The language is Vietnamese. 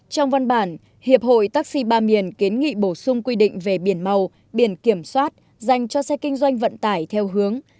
trong văn bản hiệp hội taxi ba miền kiến nghị bổ sung quy định về biển màu biển kiểm soát dành cho xe kinh doanh vận tải theo hướng